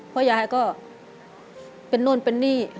เพราะยายก็เป็นนู่นเป็นนี่